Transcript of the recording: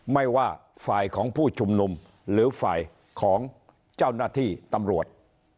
ไม่ว่าฝ่ายของผู้ชุมนุมหรือฝ่ายของเจ้าหน้าที่ตำรวจ